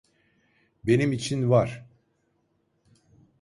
Benim için var.